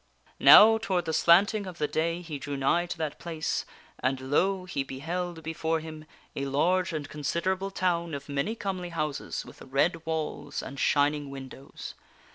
Now toward the slanting of the day he drew nigh to that place, and lo! he beheld before him a large and considerable town of many comely houses with red walls and shining windows.